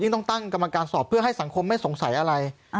ต้องตั้งกรรมการสอบเพื่อให้สังคมไม่สงสัยอะไร